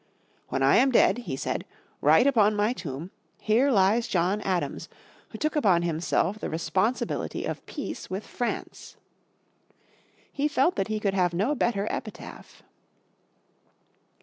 "When I am dead," he said, "write on my tomb, 'Here lies John Adams, who took upon himself the responsibility of peace with France.'" He felt that he could have no better epitaph.